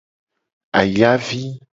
Ayavi.